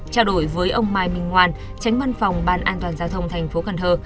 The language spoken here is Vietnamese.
trao đổi với ông mai minh ngoan tránh văn phòng ban an toàn giao thông thành phố cần thơ